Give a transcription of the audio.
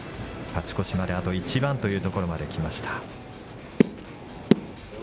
勝ち越しまであと１番というところまで来ました。